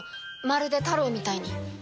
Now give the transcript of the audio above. まるでタロウみたいに。